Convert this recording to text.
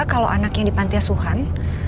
kalau anaknya di pantai suhan